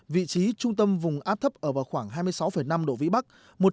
vị trí trung tâm vùng áp thấp ở vào khoảng hai mươi sáu năm độ vĩ bắc